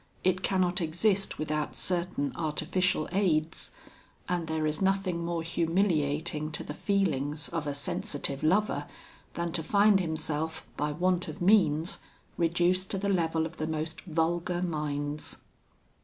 it cannot exist without certain artificial aids; and there is nothing more humiliating to the feelings, of a sensitive lover, than to find himself, by want of means, reduced to the level of the most vulgar minds.